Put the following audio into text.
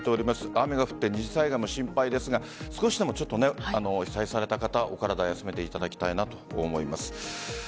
雨が降って二次災害も心配ですが少しでも被災された方お体、休めていただきたいなと思います。